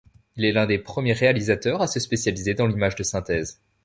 Il est l'un des premiers réalisateurs à se spécialiser dans l'image de synthèse.